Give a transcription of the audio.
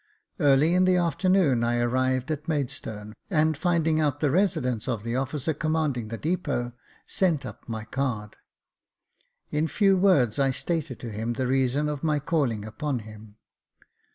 Early in the afternoon I arrived at Maidstone, and finding out the residence of the officer commanding the depot, sent up my card. In few words I stated to him the reason of my calling upon him.